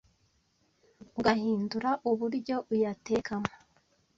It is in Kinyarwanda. ugahindura uburyo uyatekamo